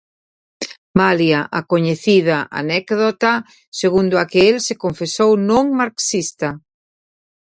Malia a coñecida anécdota segundo a que el se confesou non marxista.